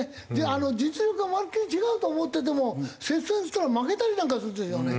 実力がまるっきり違うと思ってても接戦したら負けたりなんかするっていうのはね。